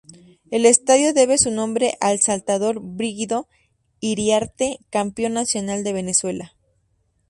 El estadio debe su nombre al saltador Brígido Iriarte, campeón nacional de Venezuela.